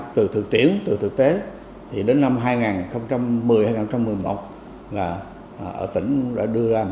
từ thời tiễn để đến năm hai nghìn một mươi hai nghìn một mươi một tỉnh đã đưa ra một giải pháp khá căng cơ